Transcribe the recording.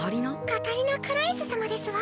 カタリナ・クラエス様ですわ。